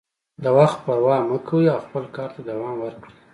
د وخت پروا مه کوئ او خپل کار ته دوام ورکړئ.